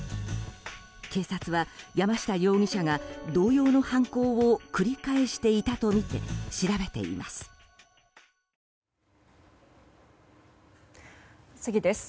警察は山下容疑者が同様の犯行を繰り返していたとみて、調べています。